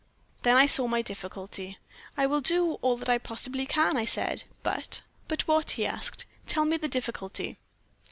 "Then I saw my difficulty. "'I will do all that I possibly can,' I said; 'but ' "'But what?' he asked. 'Tell me the difficulty.'